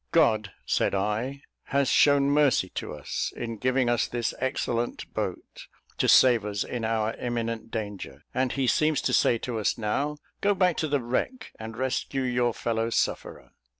"God," said I, "has shown mercy to us, in giving us this excellent boat, to save us in our imminent danger; and He seems to say to us now, 'Go back to the wreck, and rescue your fellow sufferer.'